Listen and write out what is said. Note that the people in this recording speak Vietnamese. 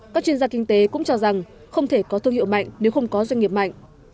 các chuyên gia kinh tế cũng cho rằng không thể có thương hiệu mạnh nếu không có doanh nghiệp mạnh